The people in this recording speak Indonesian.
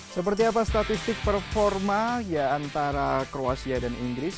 seperti apa statistik performa ya antara kruasia dan inggris